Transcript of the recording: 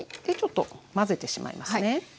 でちょっと混ぜてしまいますね。